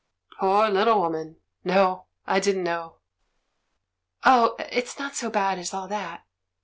"Poor little woman! 'No, I didn't know." "Oh, it's not so bad as all that!